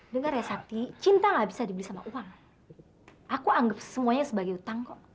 dengar ya sakti cinta gak bisa dibeli sama uang aku anggap semuanya sebagai utang kok